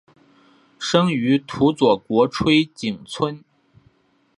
生于土佐国吹井村。